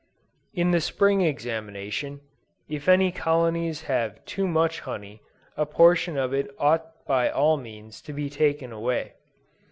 In the Spring examination, if any colonies have too much honey, a portion of it ought by all means to be taken away.